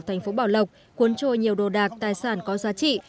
thành phố bảo lộc cuốn trôi nhiều đồ đạc tài sản có giá trị